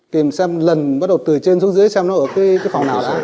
tìm xem lần bắt đầu từ trên xuống dưới xem nó ở cái phòng nào đó